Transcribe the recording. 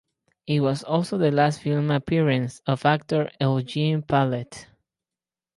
It was also the last film appearance of actor Eugene Pallette.